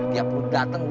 tiap lu dateng